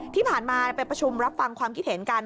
ที่ผ่านมาไปประชุมรับฟังความคิดเห็นกัน